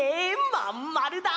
まんまるだ。